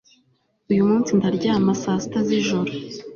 uyumunsi ndaryama saa sita zijoro